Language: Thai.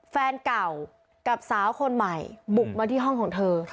แฟนเก่ากับสาวคนใหม่บุกมาที่ห้องของเธอ